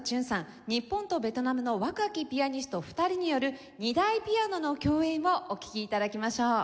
日本とベトナムの若きピアニスト２人による２台ピアノの共演をお聴き頂きましょう。